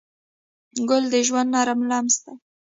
ګل د ژوند نرم لمس دی.